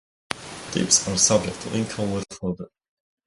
Tips are subject to income withholding.